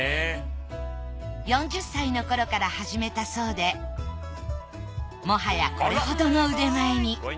４０歳の頃から始めたそうでもはやこれほどの腕前に。